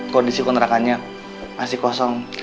kondisi kontrakannya masih kosong